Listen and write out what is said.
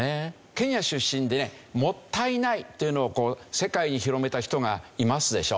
ケニア出身でね「もったいない」というのを世界に広めた人がいますでしょ。